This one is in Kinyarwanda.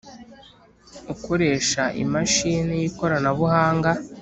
ukoresha imashini y ikoranabuhanga